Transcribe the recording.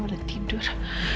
gua udah tidur